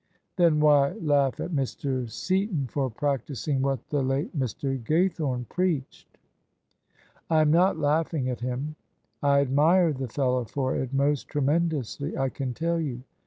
"" Then why laugh at Mr. Seaton for practising what the late Mr. Gaythome preached ?"" I am not laughing at him I I admire the fellow for it most tremendously, I can tell you!